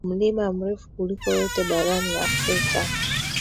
mlima mrefu kuliko yote barani Afrika